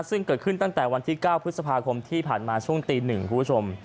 ซึ่งเกิดขึ้นตั้งแต่วันที่๙พฤษภาคมที่ผ่านมาช่วงตี๑คุณผู้ชม